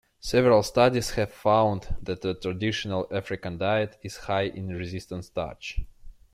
Several studies have found that the traditional African diet is high in resistant starch.